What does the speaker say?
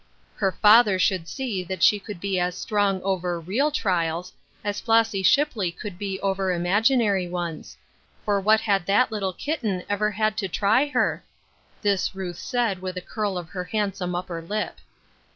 Her father should see that she could be as strong over real trials, as Flossy Shipley could be over imaginar}^ ones ; for what had that little kitten ever had to try her ? This Ruth said, with a curl of her hand some upper lip.